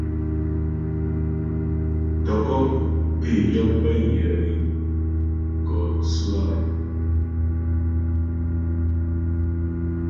Dɔkɔ́́ dé yə pə pé yə́ é gɔ tsʉ áa.